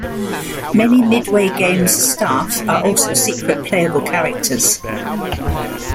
Many Midway Games staff are also secret playable characters.